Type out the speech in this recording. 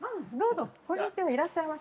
いらっしゃいませ。